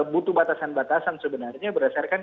butuh batasan batasan sebenarnya berdasarkan